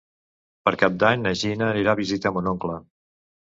Per Cap d'Any na Gina anirà a visitar mon oncle.